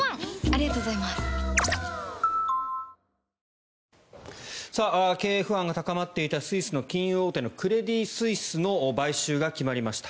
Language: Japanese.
東京海上日動経営不安が高まっていたスイスの金融大手のクレディ・スイスの買収が決まりました。